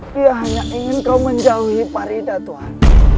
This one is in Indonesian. dia hanya ingin kau menjauhi parida tuhan